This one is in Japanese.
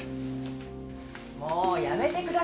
もうやめてください。